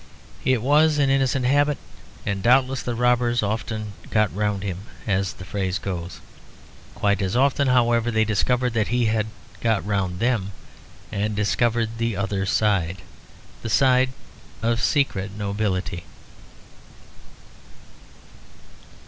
It was an innocent habit, and doubtless the robbers often "got round him," as the phrase goes. Quite as often, however, they discovered that he had "got round" them, and discovered the other side, the side of secret nobility.